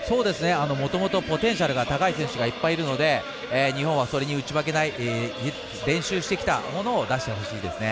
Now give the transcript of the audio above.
もともとポテンシャルが高い選手がいっぱいいるので日本はそれに打ち負けない練習してきたものを出してほしいですね。